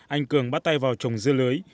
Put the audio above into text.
anh cường bắt tay vào trồng dưa lưới